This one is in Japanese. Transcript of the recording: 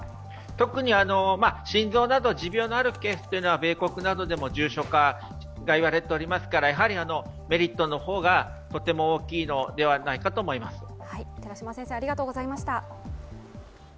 特に心臓など持病のあるケースは米国などでも重症化がいわれておりますから、メリットの方がとても大きいのではないかと思います。